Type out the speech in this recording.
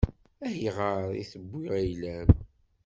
Ayɣer i tewwi ayla-m?